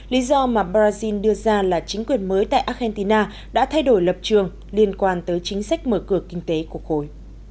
lý do mà brazil đưa ra là chính quyền mới tại argentina đã thay đổi lập trường liên quan tới chính sách mở cửa kinh tế của khối